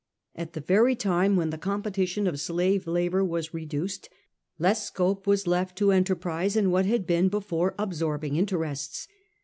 At the very time when the compe tition of slave labour was reduced, less scope was left to enterprise in what had been before absorbing interests.